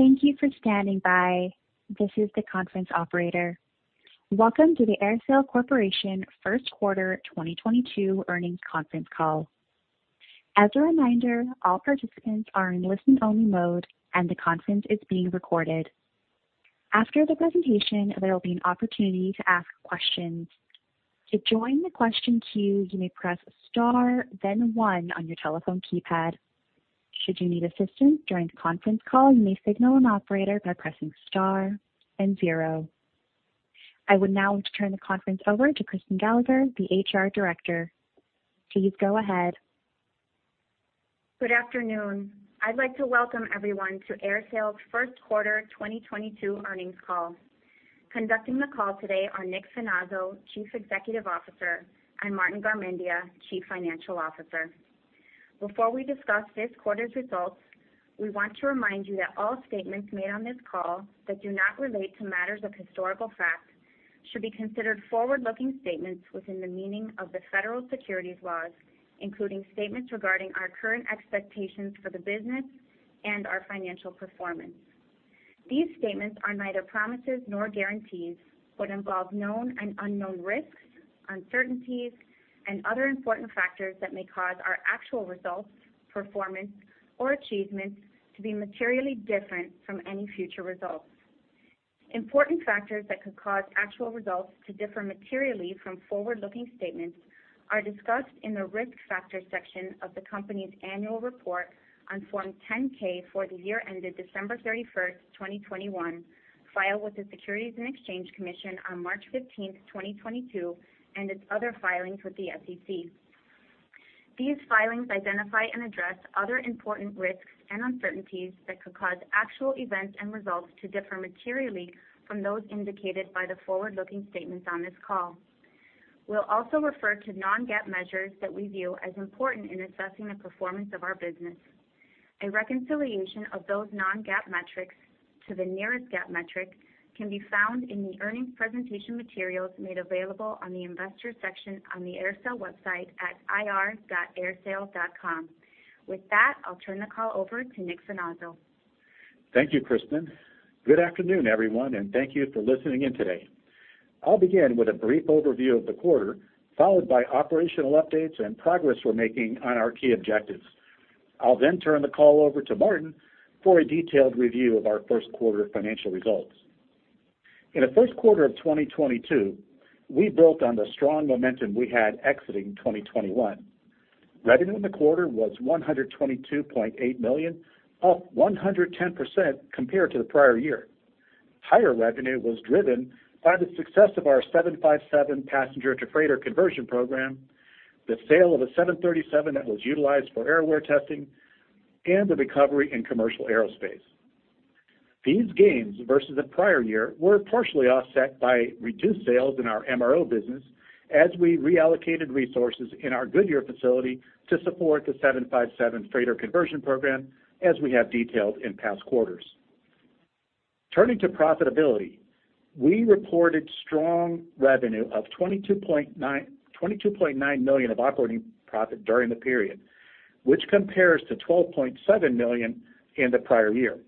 Thank you for standing by. This is the conference operator. Welcome to the AerSale Corporation First Quarter 2022 Earnings Conference Call. As a reminder, all participants are in listen-only mode, and the conference is being recorded. After the presentation, there will be an opportunity to ask questions. To join the question queue, you may press star then one on your telephone keypad. Should you need assistance during the conference call, you may signal an operator by pressing star and zero. I would now like to turn the conference over to Kristen Gallagher, the HR Director. Please go ahead. Good afternoon. I'd like to welcome everyone to AerSale's first quarter 2022 earnings call. Conducting the call today are Nick Finazzo, Chief Executive Officer, and Martin Garmendia, Chief Financial Officer. Before we discuss this quarter's results, we want to remind you that all statements made on this call that do not relate to matters of historical fact should be considered forward-looking statements within the meaning of the Federal Securities laws, including statements regarding our current expectations for the business and our financial performance. These statements are neither promises nor guarantees, but involve known and unknown risks, uncertainties, and other important factors that may cause our actual results, performance, or achievements to be materially different from any future results. Important factors that could cause actual results to differ materially from forward-looking statements are discussed in the Risk Factors section of the company's annual report on Form 10-K for the year ended December 31st, 2021, filed with the Securities and Exchange Commission on March 15th, 2022, and its other filings with the SEC. These filings identify and address other important risks and uncertainties that could cause actual events and results to differ materially from those indicated by the forward-looking statements on this call. We'll also refer to non-GAAP measures that we view as important in assessing the performance of our business. A reconciliation of those non-GAAP metrics to the nearest GAAP metric can be found in the earnings presentation materials made available on the Investors section on the AerSale website at ir.aersale.com. With that, I'll turn the call over to Nick Finazzo. Thank you, Kristen. Good afternoon, everyone, and thank you for listening in today. I'll begin with a brief overview of the quarter, followed by operational updates and progress we're making on our key objectives. I'll then turn the call over to Martin for a detailed review of our first quarter financial results. In the first quarter of 2022, we built on the strong momentum we had exiting 2021. Revenue in the quarter was $122.8 million, up 110% compared to the prior year. Higher revenue was driven by the success of our 757 passenger-to-freighter conversion program, the sale of a 737 that was utilized for AerAware testing, and the recovery in commercial aerospace. These gains versus the prior year were partially offset by reduced sales in our MRO business as we reallocated resources in our Goodyear facility to support the 757 freighter conversion program, as we have detailed in past quarters. Turning to profitability, we reported $22.9 million of operating profit during the period, which compares to $12.7 million in the prior year.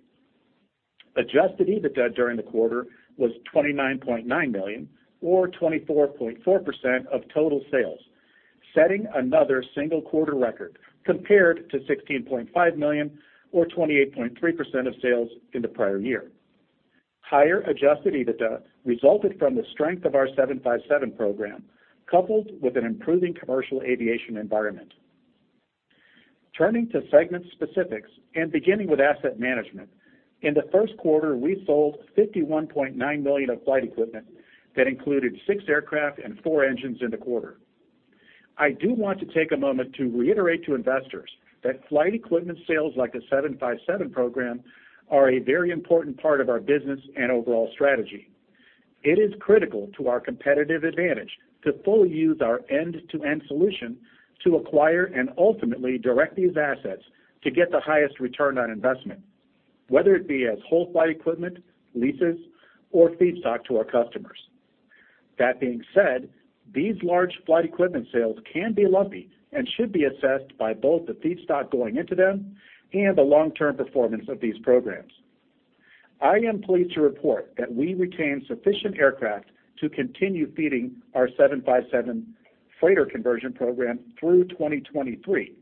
Adjusted EBITDA during the quarter was $29.9 million or 24.4% of total sales, setting another single-quarter record compared to $16.5 million or 28.3% of sales in the prior year. Higher adjusted EBITDA resulted from the strength of our 757 program, coupled with an improving commercial aviation environment. Turning to segment specifics and beginning with asset management. In the first quarter, we sold $51.9 million of flight equipment. That included six aircraft and four engines in the quarter. I do want to take a moment to reiterate to investors that flight equipment sales like the 757 program are a very important part of our business and overall strategy. It is critical to our competitive advantage to fully use our end-to-end solution to acquire and ultimately direct these assets to get the highest return on investment, whether it be as whole flight equipment, leases, or feedstock to our customers. That being said, these large flight equipment sales can be lumpy and should be assessed by both the feedstock going into them and the long-term performance of these programs. I am pleased to report that we retained sufficient aircraft to continue feeding our 757 freighter conversion program through 2023,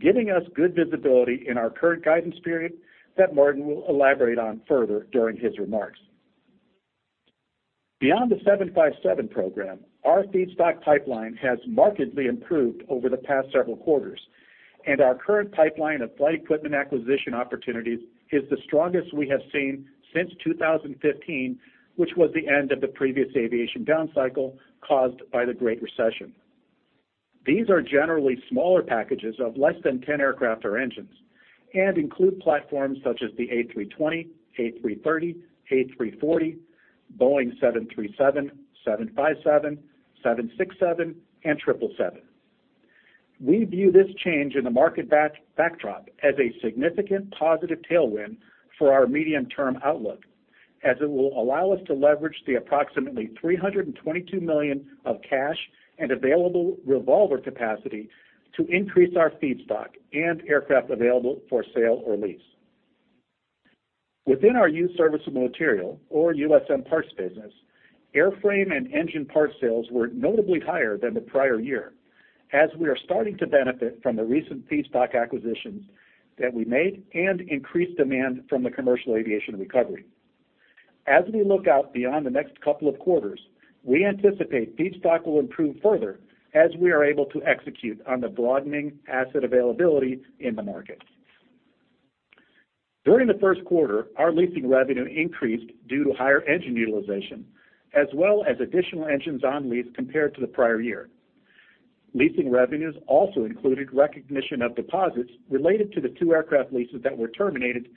giving us good visibility in our current guidance period that Martin will elaborate on further during his remarks. Beyond the 757 program, our feedstock pipeline has markedly improved over the past several quarters, and our current pipeline of flight equipment acquisition opportunities is the strongest we have seen since 2015 which was the end of the previous aviation down cycle caused by the Great Recession. These are generally smaller packages of less than 10 aircraft or engines and include platforms such as the A320, A330, A340, Boeing 737, 757, 767, and 777. We view this change in the market backdrop as a significant positive tailwind for our medium-term outlook. As it will allow us to leverage the approximately $322 million of cash and available revolver capacity to increase our feedstock and aircraft available for sale or lease. Within our used serviceable material or USM parts business, airframe and engine part sales were notably higher than the prior year, as we are starting to benefit from the recent feedstock acquisitions that we made and increased demand from the commercial aviation recovery. As we look out beyond the next couple of quarters, we anticipate feedstock will improve further as we are able to execute on the broadening asset availability in the market. During the first quarter, our leasing revenue increased due to higher engine utilization, as well as additional engines on lease compared to the prior year. Leasing revenues also included recognition of deposits related to the two aircraft leases that were terminated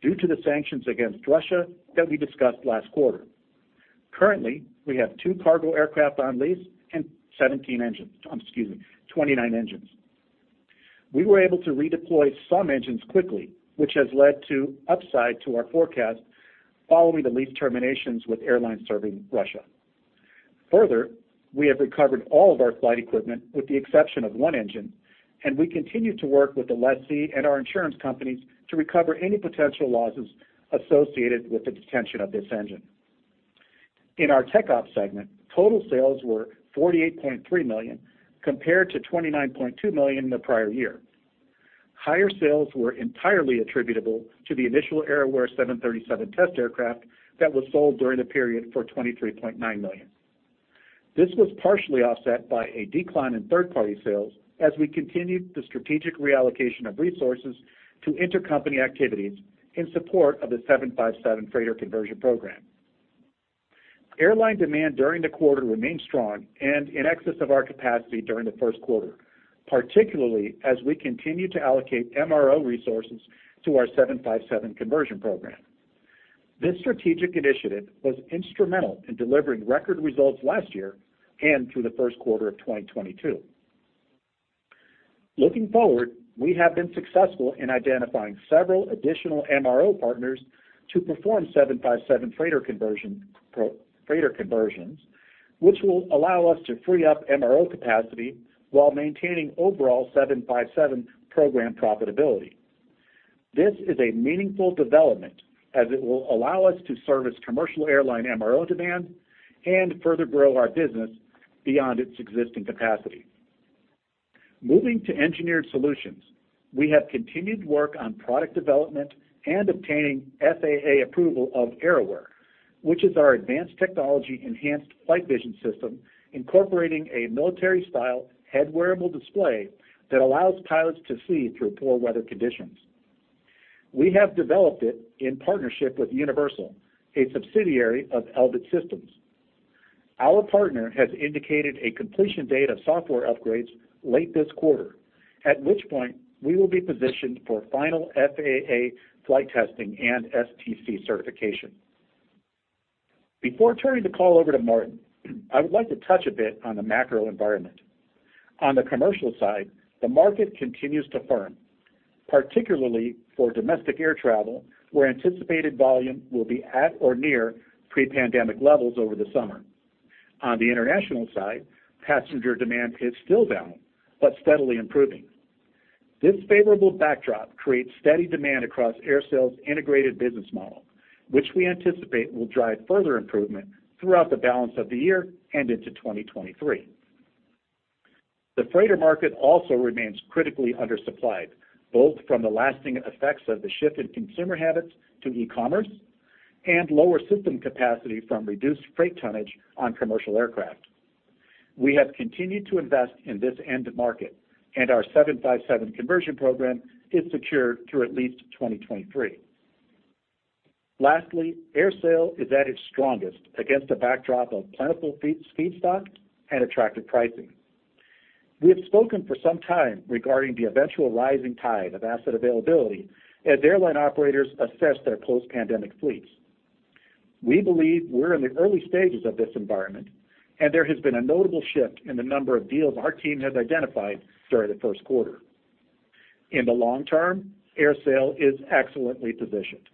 due to the sanctions against Russia that we discussed last quarter. Currently, we have two cargo aircraft on lease and 29 engines. We were able to redeploy some engines quickly, which has led to upside to our forecast following the lease terminations with airlines serving Russia. Further, we have recovered all of our flight equipment with the exception of one engine, and we continue to work with the lessee and our insurance companies to recover any potential losses associated with the detention of this engine. In our TechOps segment, total sales were $48.3 million, compared to $29.2 million in the prior year. Higher sales were entirely attributable to the initial AerAware 737 test aircraft that was sold during the period for $23.9 million. This was partially offset by a decline in third-party sales as we continued the strategic reallocation of resources to intercompany activities in support of the 757 freighter conversion program. Airline demand during the quarter remained strong and in excess of our capacity during the first quarter, particularly as we continue to allocate MRO resources to our 757 conversion program. This strategic initiative was instrumental in delivering record results last year and through the first quarter of 2022. Looking forward, we have been successful in identifying several additional MRO partners to perform 757 passenger-to-freighter conversions, which will allow us to free up MRO capacity while maintaining overall 757 program profitability. This is a meaningful development as it will allow us to service commercial airline MRO demand and further grow our business beyond its existing capacity. Moving to engineered solutions, we have continued work on product development and obtaining FAA approval of AerAware, which is our advanced technology Enhanced Flight Vision System, incorporating a military style head-wearable display that allows pilots to see through poor weather conditions. We have developed it in partnership with Universal Avionics, a subsidiary of Elbit Systems. Our partner has indicated a completion date of software upgrades late this quarter, at which point we will be positioned for final FAA flight testing and STC certification. Before turning the call over to Martin, I would like to touch a bit on the macro environment. On the commercial side, the market continues to firm, particularly for domestic air travel, where anticipated volume will be at or near pre-pandemic levels over the summer. On the international side, passenger demand is still down, but steadily improving. This favorable backdrop creates steady demand across AerSale's integrated business model, which we anticipate will drive further improvement throughout the balance of the year and into 2023. The freighter market also remains critically undersupplied, both from the lasting effects of the shift in consumer habits to e-commerce and lower system capacity from reduced freight tonnage on commercial aircraft. We have continued to invest in this end market, and our 757 conversion program is secured through at least 2023. Lastly, AerSale is at its strongest against a backdrop of plentiful feedstock and attractive pricing. We have spoken for some time regarding the eventual rising tide of asset availability as airline operators assess their post-pandemic fleets. We believe we're in the early stages of this environment, and there has been a notable shift in the number of deals our team has identified during the first quarter. In the long term, AerSale is excellently positioned.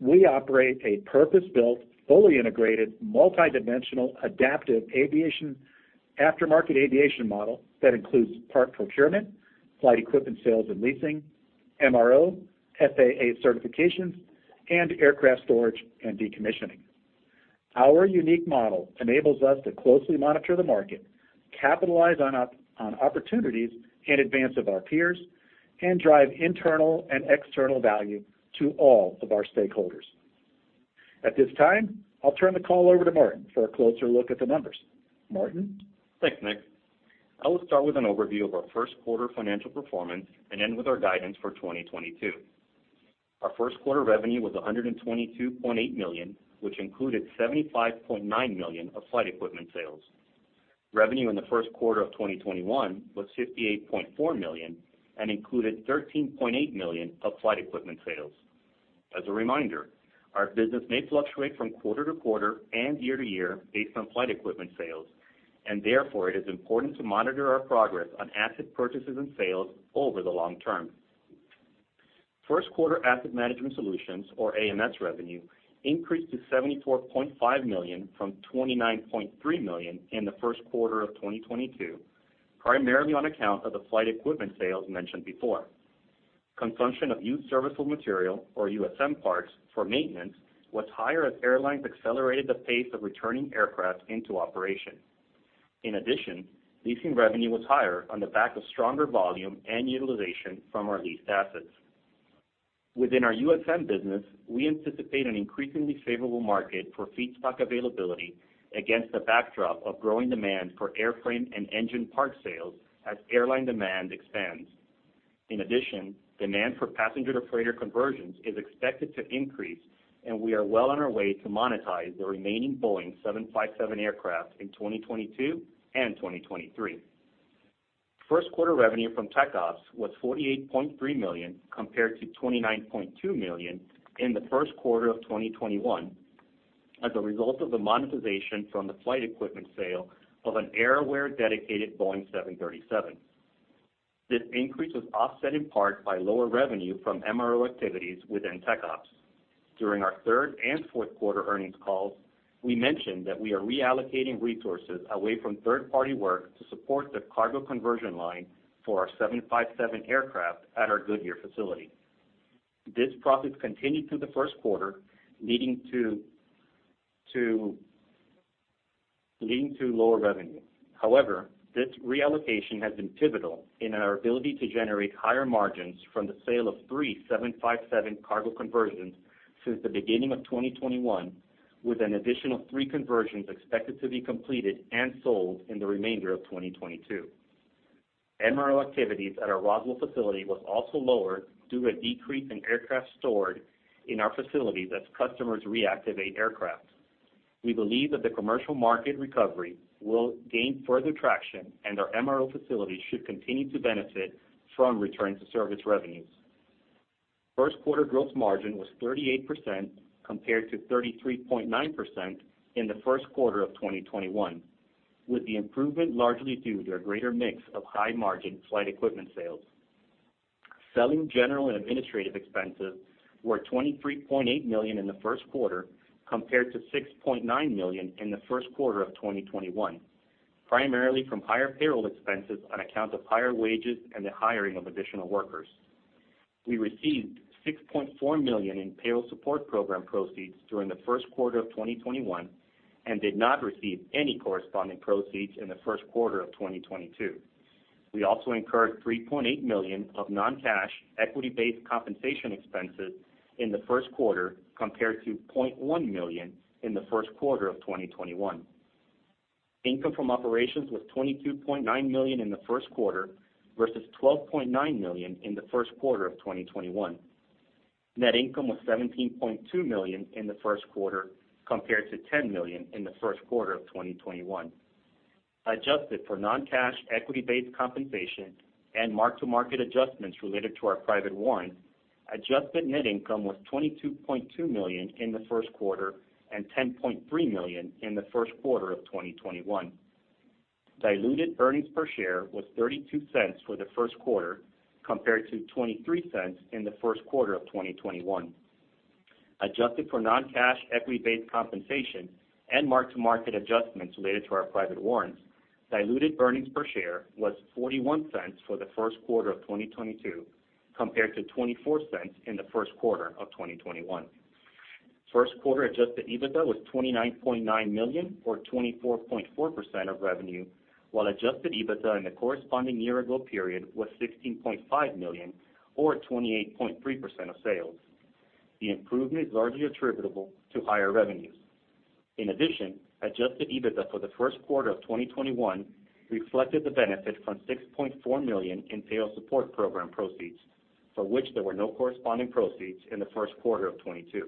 We operate a purpose-built, fully integrated, multidimensional, adaptive aviation aftermarket aviation model that includes part procurement, flight equipment sales and leasing, MRO, FAA certifications, and aircraft storage and decommissioning. Our unique model enables us to closely monitor the market, capitalize upon opportunities in advance of our peers, and drive internal and external value to all of our stakeholders. At this time, I'll turn the call over to Martin for a closer look at the numbers. Martin? Thanks, Nick. I will start with an overview of our first quarter financial performance and end with our guidance for 2022. Our first quarter revenue was $122.8 million, which included $75.9 million of flight equipment sales. Revenue in the first quarter of 2021 was $58.4 million and included $13.8 million of flight equipment sales. As a reminder, our business may fluctuate from quarter to quarter and year to year based on flight equipment sales, and therefore, it is important to monitor our progress on asset purchases and sales over the long term. First quarter asset management solutions or AMS revenue increased to $74.5 million from $29.3 million in the first quarter of 2022, primarily on account of the flight equipment sales mentioned before. Consumption of used serviceable material or USM parts for maintenance was higher as airlines accelerated the pace of returning aircraft into operation. In addition, leasing revenue was higher on the back of stronger volume and utilization from our leased assets. Within our USM business, we anticipate an increasingly favorable market for feedstock availability against the backdrop of growing demand for airframe and engine part sales as airline demand expands. In addition, demand for passenger-to-freighter conversions is expected to increase, and we are well on our way to monetize the remaining Boeing 757 aircraft in 2022 and 2023. First quarter revenue from Tech Ops was $48.3 million compared to $29.2 million in the first quarter of 2021 as a result of the monetization from the flight equipment sale of an AerAware dedicated Boeing 737. This increase was offset in part by lower revenue from MRO activities within TechOps. During our third and fourth quarter earnings calls, we mentioned that we are reallocating resources away from third-party work to support the cargo conversion line for our 757 aircraft at our Goodyear facility. This profit continued through the first quarter, leading to lower revenue. However, this reallocation has been pivotal in our ability to generate higher margins from the sale of three 757 cargo conversions since the beginning of 2021, with an additional three conversions expected to be completed and sold in the remainder of 2022. MRO activities at our Roswell facility was also lower due to a decrease in aircraft stored in our facility as customers reactivate aircraft. We believe that the commercial market recovery will gain further traction, and our MRO facilities should continue to benefit from return to service revenues. First quarter growth margin was 38% compared to 33.9% in the first quarter of 2021, with the improvement largely due to a greater mix of high margin flight equipment sales. Selling, general, and administrative expenses were $23.8 million in the first quarter compared to $6.9 million in the first quarter of 2021, primarily from higher payroll expenses on account of higher wages and the hiring of additional workers. We received $6.4 million in payroll support program proceeds during the first quarter of 2021 and did not receive any corresponding proceeds in the first quarter of 2022. We also incurred $3.8 million of non-cash equity-based compensation expenses in the first quarter compared to $0.1 million in the first quarter of 2021. Income from operations was $22.9 million in the first quarter versus $12.9 million in the first quarter of 2021. Net income was $17.2 million in the first quarter compared to $10 million in the first quarter of 2021. Adjusted for non-cash equity-based compensation and mark-to-market adjustments related to our private warrants, adjusted net income was $22.2 million in the first quarter and $10.3 million in the first quarter of 2021. Diluted earnings per share was $0.32 for the first quarter compared to $0.23 in the first quarter of 2021. Adjusted for non-cash equity-based compensation and mark-to-market adjustments related to our private warrants, diluted earnings per share was $0.41 for the first quarter of 2022 compared to $0.24 in the first quarter of 2021. First quarter adjusted EBITDA was $29.9 million or 24.4% of revenue, while adjusted EBITDA in the corresponding year ago period was $16.5 million or 28.3% of sales. The improvement is largely attributable to higher revenues. In addition, adjusted EBITDA for the first quarter of 2021 reflected the benefit from $6.4 million in payroll support program proceeds, for which there were no corresponding proceeds in the first quarter of 2022.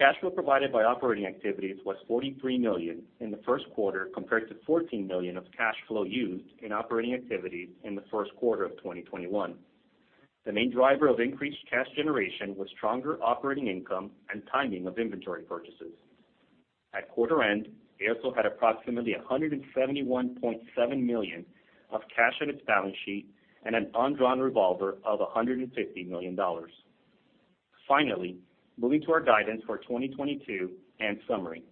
Cash flow provided by operating activities was $43 million in the first quarter compared to $14 million of cash flow used in operating activities in the first quarter of 2021. The main driver of increased cash generation was stronger operating income and timing of inventory purchases. At quarter end, AerSale had approximately $171.7 million of cash on its balance sheet and an undrawn revolver of $150 million. Finally, moving to our guidance for 2022 and summary.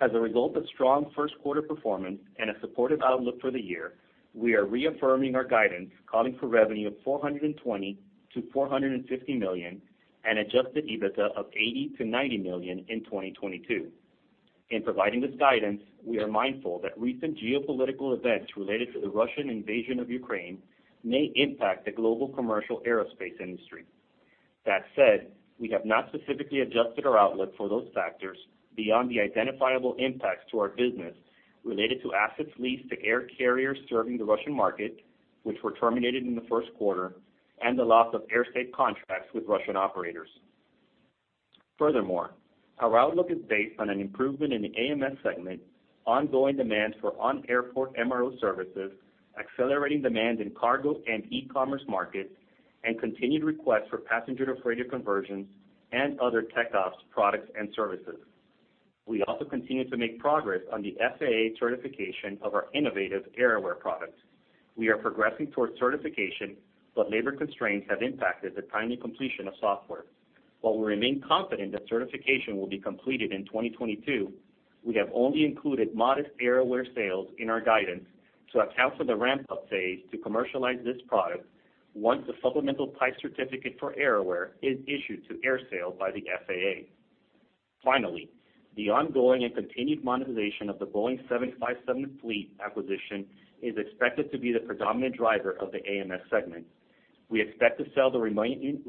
As a result of strong first quarter performance and a supportive outlook for the year, we are reaffirming our guidance, calling for revenue of $420 million-$450 million and Adjusted EBITDA of $80 million-$90 million in 2022. In providing this guidance, we are mindful that recent geopolitical events related to the Russian invasion of Ukraine may impact the global commercial aerospace industry. That said, we have not specifically adjusted our outlook for those factors beyond the identifiable impacts to our business related to assets leased to air carriers serving the Russian market, which were terminated in the first quarter, and the loss of AerSale contracts with Russian operators. Furthermore, our outlook is based on an improvement in the AMS segment, ongoing demand for on-airport MRO services, accelerating demand in cargo and e-commerce markets, and continued requests for passenger-to-freighter conversions and other TechOps products and services. We also continue to make progress on the FAA certification of our innovative AerAware product. We are progressing towards certification, but labor constraints have impacted the timely completion of software. While we remain confident that certification will be completed in 2022, we have only included modest AerAware sales in our guidance to account for the ramp-up phase to commercialize this product once the Supplemental Type Certificate for AerAware is issued to AerSale by the FAA. Finally, the ongoing and continued monetization of the Boeing 757 fleet acquisition is expected to be the predominant driver of the AMS segment. We expect to sell the remaining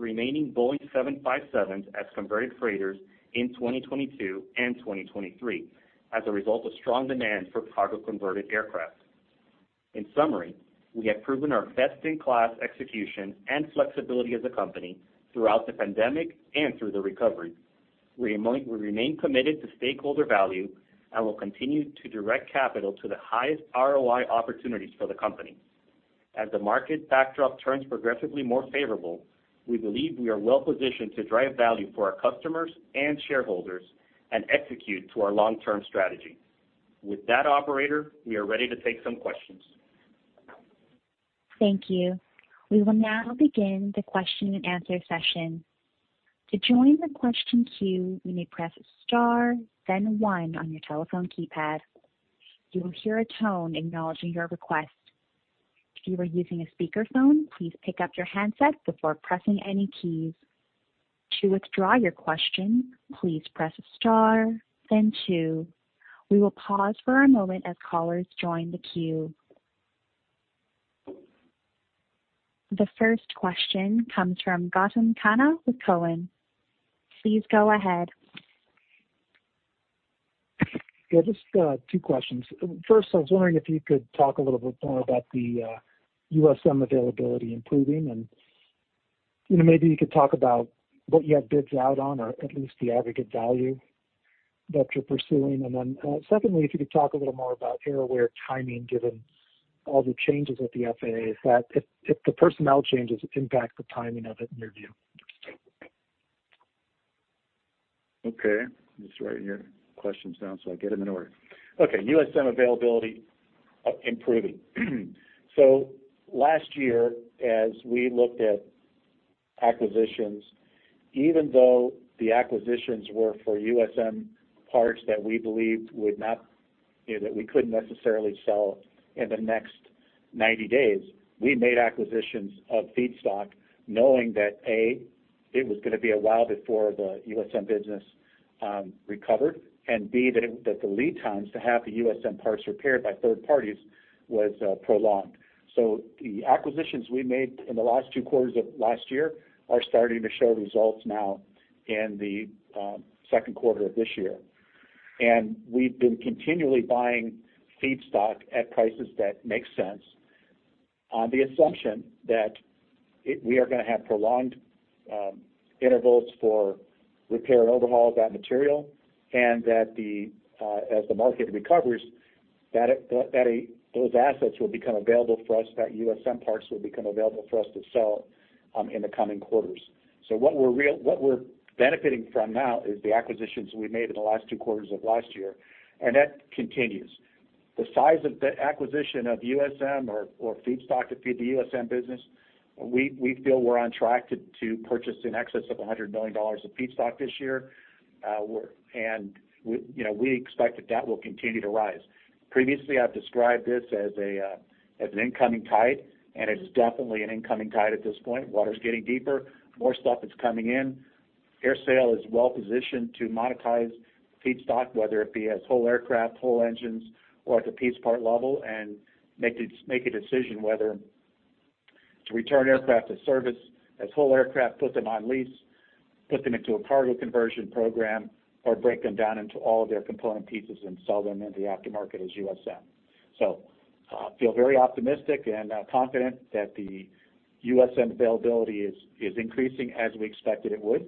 Boeing 757s as converted freighters in 2022 and 2023 as a result of strong demand for cargo converted aircraft. In summary, we have proven our best-in-class execution and flexibility as a company throughout the pandemic and through the recovery. We remain committed to stakeholder value and will continue to direct capital to the highest ROI opportunities for the company. As the market backdrop turns progressively more favorable, we believe we are well-positioned to drive value for our customers and shareholders and execute to our long-term strategy. With that, operator, we are ready to take some questions. Thank you. We will now begin the question-and-answer session. To join the question queue, you may press star then one on your telephone keypad. You will hear a tone acknowledging your request. If you are using a speakerphone, please pick up your handset before pressing any keys. To withdraw your question, please press star then two. We will pause for a moment as callers join the queue. The first question comes from Gautam Khanna with Cowen. Please go ahead. Yeah, just two questions. First, I was wondering if you could talk a little bit more about the USM availability improving, and you know, maybe you could talk about what you have bids out on or at least the aggregate value that you're pursuing. Then, secondly, if you could talk a little more about AerAware timing, given all the changes at the FAA, if the personnel changes impact the timing of it in your view. Okay, just writing your questions down so I get them in order. Okay, USM availability improving. Last year, as we looked at acquisitions, even though the acquisitions were for USM parts that we believed would not, you know, that we couldn't necessarily sell in the next 90 days, we made acquisitions of feedstock knowing that, A, it was gonna be a while before the USM business recovered, and B, that the lead times to have the USM parts repaired by third parties was prolonged. The acquisitions we made in the last two quarters of last year are starting to show results now in the second quarter of this year. We've been continually buying feedstock at prices that make sense on the assumption that we are gonna have prolonged intervals for repair and overhaul of that material and that, as the market recovers, those assets will become available for us, that USM parts will become available for us to sell in the coming quarters. What we're benefiting from now is the acquisitions we made in the last two quarters of last year, and that continues. The size of the acquisition of USM or feedstock to feed the USM business, we feel we're on track to purchase in excess of $100 million of feedstock this year. And we, you know, we expect that will continue to rise. Previously, I've described this as a, as an incoming tide, and it is definitely an incoming tide at this point. Water's getting deeper. More stuff is coming in. AerSale is well positioned to monetize feedstock, whether it be as whole aircraft, whole engines, or at the piece part level and make a decision whether to return aircraft to service as whole aircraft, put them on lease, put them into a cargo conversion program, or break them down into all of their component pieces and sell them in the aftermarket as USM. Feel very optimistic and confident that the USM availability is increasing as we expected it would,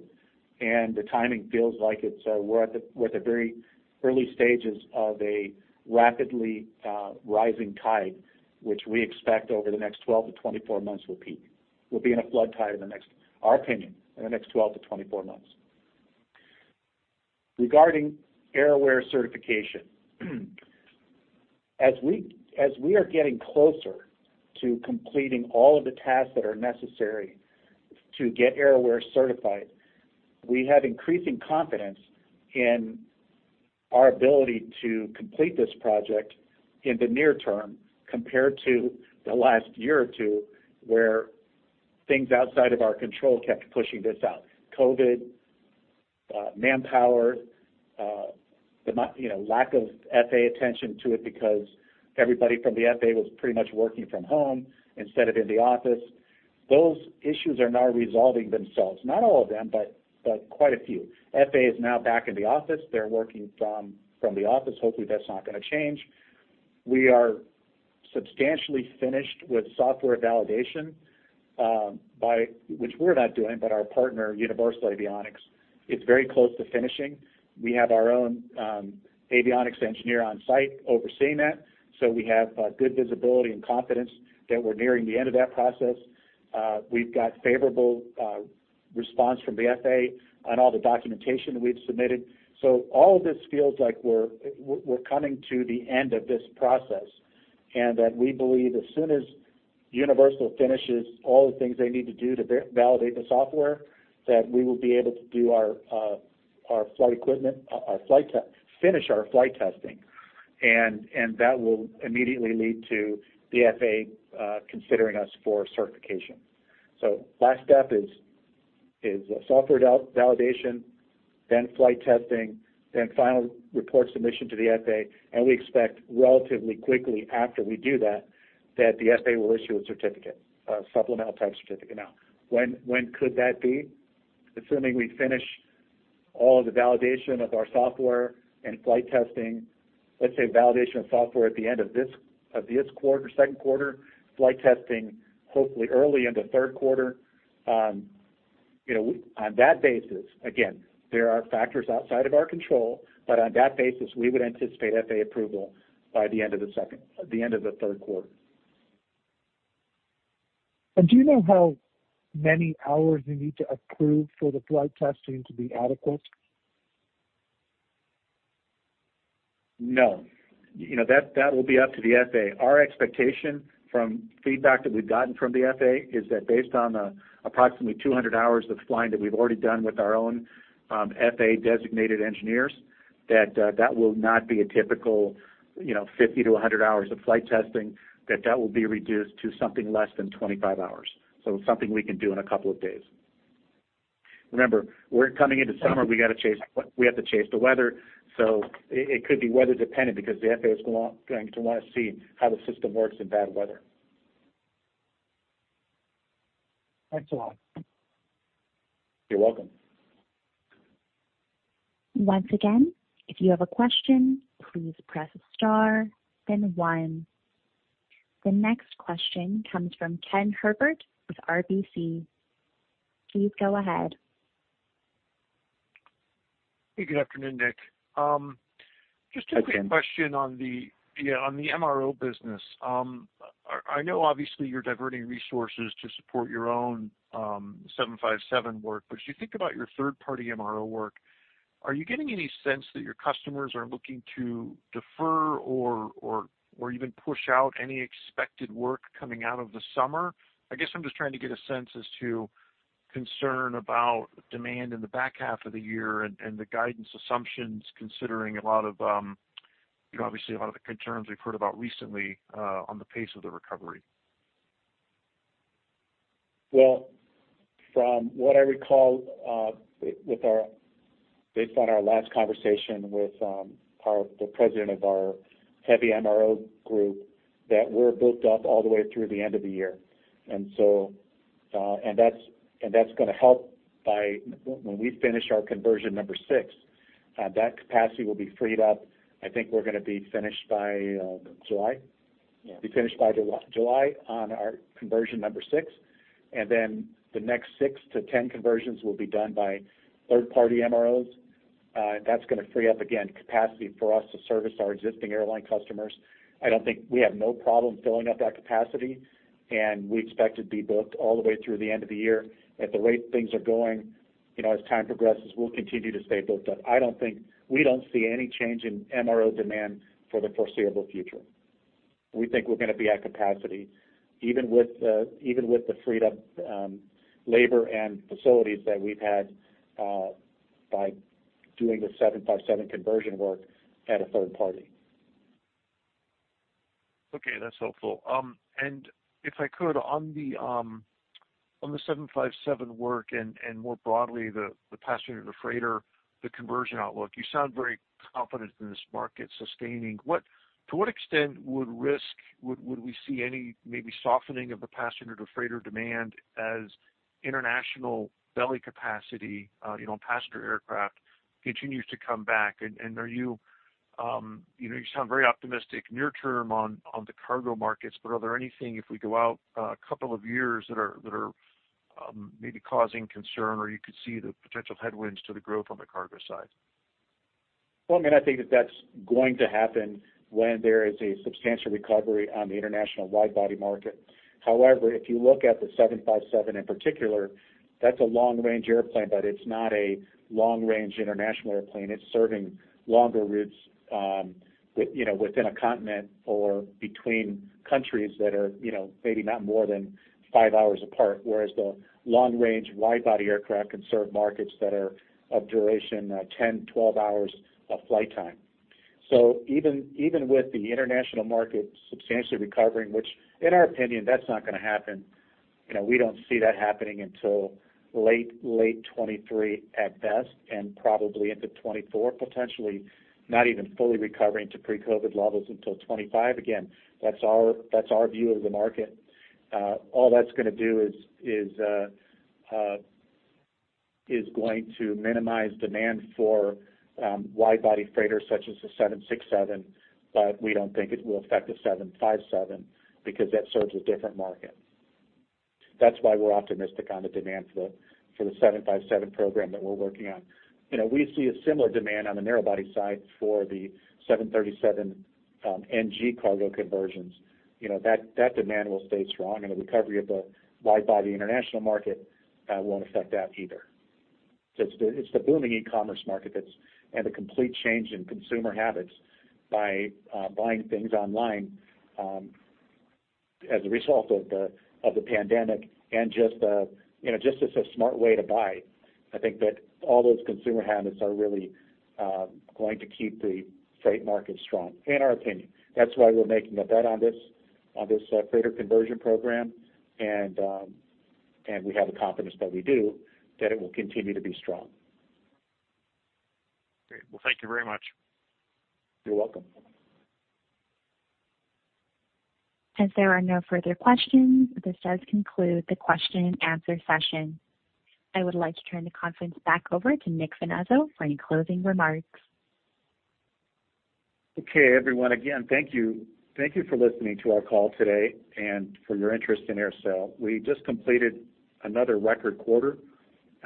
and the timing feels like it's we're at the very early stages of a rapidly rising tide, which we expect over the next 12-24 months will peak. We'll be in a flood tide in the next, our opinion, in the next 12-24 months. Regarding AerAware certification. As we are getting closer to completing all of the tasks that are necessary to get AerAware certified, we have increasing confidence in our ability to complete this project in the near term compared to the last year or two, where things outside of our control kept pushing this out. COVID, manpower, you know, lack of FAA attention to it because everybody from the FAA was pretty much working from home instead of in the office. Those issues are now resolving themselves, not all of them, but quite a few. FAA is now back in the office. They're working from the office. Hopefully, that's not gonna change. We are substantially finished with software validation, which we're not doing, but our partner, Universal Avionics, is very close to finishing. We have our own avionics engineer on site overseeing that. We have good visibility and confidence that we're nearing the end of that process. We've got favorable response from the FAA on all the documentation that we've submitted. All of this feels like we're coming to the end of this process, and that we believe as soon as Universal finishes all the things they need to do to validate the software, that we will be able to finish our flight testing. That will immediately lead to the FAA considering us for certification. Last step is software validation, then flight testing, then final report submission to the FAA, and we expect relatively quickly after we do that the FAA will issue a certificate, a supplemental type certificate. Now, when could that be? Assuming we finish all of the validation of our software and flight testing, let's say validation of software at the end of this quarter, second quarter, flight testing, hopefully early into third quarter. You know, on that basis, again, there are factors outside of our control, but on that basis, we would anticipate FAA approval by the end of the third quarter. Do you know how many hours you need to approve for the flight testing to be adequate? No. You know, that will be up to the FAA. Our expectation from feedback that we've gotten from the FAA is that based on approximately 200 hours of flying that we've already done with our own FAA designated engineers, that will not be a typical, you know, 50 to 100 hours of flight testing, that will be reduced to something less than 25 hours. Something we can do in a couple of days. Remember, we're coming into summer, we have to chase the weather, it could be weather dependent because the FAA is going to want to see how the system works in bad weather. Thanks a lot. You're welcome. Once again, if you have a question, please press star then one. The next question comes from Ken Herbert with RBC. Please go ahead. Hey, good afternoon, Nick. Just a quick question on the MRO business. I know obviously you're diverting resources to support your own 757 work, but as you think about your third-party MRO work, are you getting any sense that your customers are looking to defer or even push out any expected work coming out of the summer? I guess I'm just trying to get a sense as to concern about demand in the back half of the year and the guidance assumptions considering a lot of, you know, obviously a lot of the concerns we've heard about recently on the pace of the recovery. Well, from what I recall, based on our last conversation with the president of our heavy MRO group, that we're booked up all the way through the end of the year. That's gonna help by when we finish our conversion number six, that capacity will be freed up. I think we're gonna be finished by July? Yeah. be finished by July on our conversion number six, and then the next 6-10 conversions will be done by third-party MROs. That's gonna free up, again, capacity for us to service our existing airline customers. We have no problem filling up that capacity, and we expect to be booked all the way through the end of the year. At the rate things are going, you know, as time progresses, we'll continue to stay booked up. We don't see any change in MRO demand for the foreseeable future. We think we're gonna be at capacity, even with the freed up labor and facilities that we've had by doing the 757 conversion work at a third party. Okay, that's helpful. And if I could, on the 757 work and more broadly, the passenger-to-freighter conversion outlook, you sound very confident in this market sustaining. What to what extent would we see any maybe softening of the passenger-to-freighter demand as international belly capacity, you know, on passenger aircraft continues to come back? Are you? You know, you sound very optimistic near term on the cargo markets, but are there anything, if we go out a couple of years, that are maybe causing concern, or you could see the potential headwinds to the growth on the cargo side? Well, I mean, I think that that's going to happen when there is a substantial recovery on the international wide-body market. However, if you look at the 757 in particular, that's a long-range airplane, but it's not a long-range international airplane. It's serving longer routes, you know, within a continent or between countries that are, you know, maybe not more than 5 hours apart, whereas the long-range wide-body aircraft can serve markets that are of duration 10, 12 hours of flight time. So even with the international market substantially recovering, which in our opinion, that's not gonna happen. You know, we don't see that happening until late 2023 at best, and probably into 2024, potentially not even fully recovering to pre-COVID levels until 2025. Again, that's our view of the market. All that's gonna do is going to minimize demand for wide-body freighters such as the 767, but we don't think it will affect the 757 because that serves a different market. That's why we're optimistic on the demand for the 757 program that we're working on. You know, we see a similar demand on the narrow-body side for the 737 NG cargo conversions. You know, that demand will stay strong and the recovery of the wide-body international market won't affect that either. It's the booming e-commerce market that's had a complete change in consumer habits by buying things online as a result of the pandemic and just you know just as a smart way to buy. I think that all those consumer habits are really going to keep the freight market strong, in our opinion. That's why we're making a bet on this freighter conversion program, and we have the confidence that we do, that it will continue to be strong. Great. Well, thank you very much. You're welcome. As there are no further questions, this does conclude the question and answer session. I would like to turn the conference back over to Nick Finazzo for any closing remarks. Okay, everyone. Again, thank you. Thank you for listening to our call today and for your interest in AerSale. We just completed another record quarter.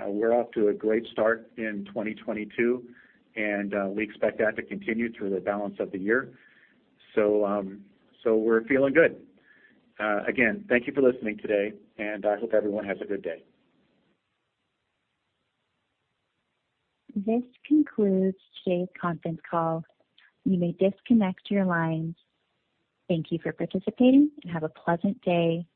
We're off to a great start in 2022, and we expect that to continue through the balance of the year. So, we're feeling good. Again, thank you for listening today, and I hope everyone has a good day. This concludes today's conference call. You may disconnect your lines. Thank you for participating, and have a pleasant day.